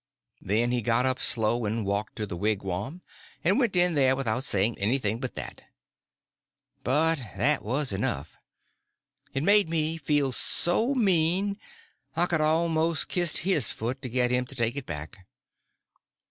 Then he got up slow and walked to the wigwam, and went in there without saying anything but that. But that was enough. It made me feel so mean I could almost kissed his foot to get him to take it back.